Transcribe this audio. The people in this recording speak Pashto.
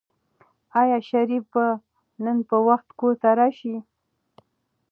آیا شریف به نن په وخت کور ته راشي؟